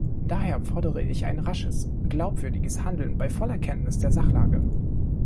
Daher fordere ich ein rasches, glaubwürdiges Handeln bei voller Kenntnis der Sachlage.